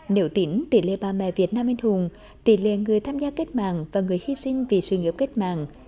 nếu tính tỷ lệ bà mẹ việt nam anh hùng tỷ lệ người tham gia kết mạng và người hy sinh vì sự nghiệp cách mạng